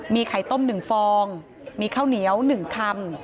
มีไข่ต้มหนึ่งฟองมีข้าวเหนียวหนึ่งคำ